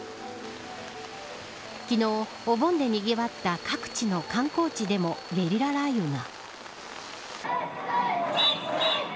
昨日、お盆でにぎわった各地の観光地でもゲリラ雷雨が。